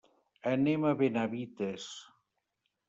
Anem a Benavites.